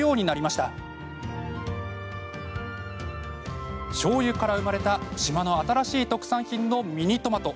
しょうゆから生まれた島の新しい特産品のミニトマト。